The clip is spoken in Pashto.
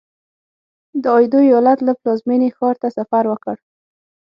د ایدو ایالت له پلازمېنې ښار ته سفر وکړ.